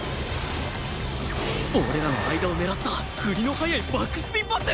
俺らの間を狙った振りの速いバックスピンパス！？